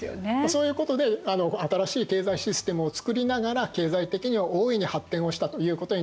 そういうことで新しい経済システムをつくりながら経済的には大いに発展をしたということになります。